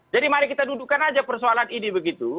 jadi mari kita dudukkan saja persoalan ini begitu